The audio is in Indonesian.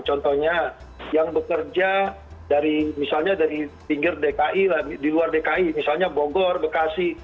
contohnya yang bekerja dari misalnya dari pinggir dki di luar dki misalnya bogor bekasi